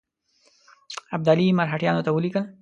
ابدالي مرهټیانو ته ولیکل.